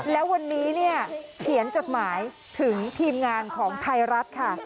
แล้ววันนี้เนี่ยเขียนจดหมายถึงทีมงานของไทยรัฐค่ะ